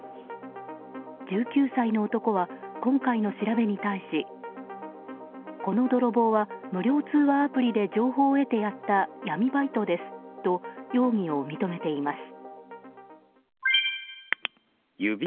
１９歳の男は今回の調べに対しこの泥棒は、無料通話アプリで情報を得てやった闇バイトですと容疑を認めています。